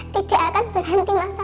tidak akan berhenti masalah ini